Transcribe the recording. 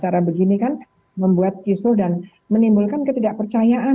cara begini kan membuat kisah dan menimbulkan ketidakpercayaan